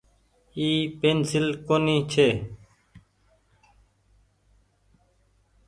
اي پينسيل ڪونيٚ ڇي۔